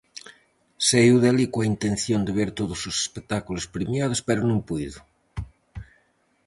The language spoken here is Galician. Saíu de alí coa intención de ver todos os espectáculos premiados pero non puido.